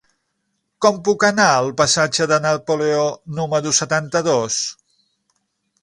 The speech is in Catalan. Com puc anar al passatge de Napoleó número setanta-dos?